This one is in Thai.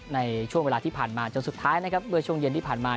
ในช่วงเวลาที่ผ่านมาจนสุดท้ายนะครับเมื่อช่วงเย็นที่ผ่านมา